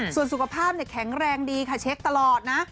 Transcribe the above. ส่วนสุขภาพแข็งแรงดีค่ะเช็คตลอดนะ